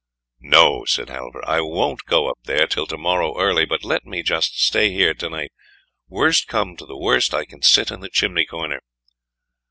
"No," said Halvor, "I won't go up there till to morrow early, but let me just stay here to night; worst come to the worst, I can sit in the chimney corner."